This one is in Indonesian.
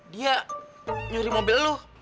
dia nyuri mobil lu